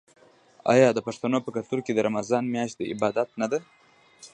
آیا د پښتنو په کلتور کې د رمضان میاشت د عبادت نه ده؟